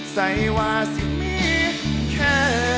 ใส่ว่าสิ่งมีแค่